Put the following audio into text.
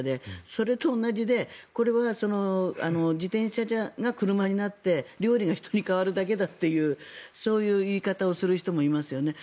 それと同じでこれは自転車じゃなくて車になって料理が人に変わるだけだというそういう言い方をする人もいますよね。